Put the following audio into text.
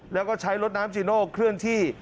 แล้วก็ใช้รถน้ำจีโน่เคลื่อนที่